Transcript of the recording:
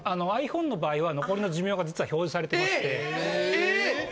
ｉＰｈｏｎｅの場合は残りの寿命が実は表示されてまして。